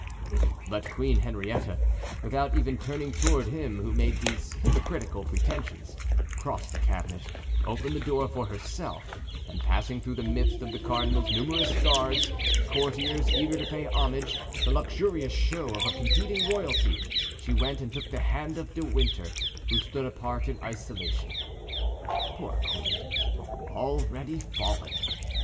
But Queen Henrietta, without even turning toward him who made these hypocritical pretensions, crossed the cabinet, opened the door for herself and passing through the midst of the cardinal's numerous guards, courtiers eager to pay homage, the luxurious show of a competing royalty, she went and took the hand of De Winter, who stood apart in isolation. Poor queen, already fallen!